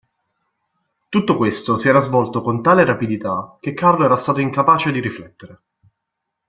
Tutto questo si era svolto con tale rapidità, che Carlo era stato incapace di riflettere.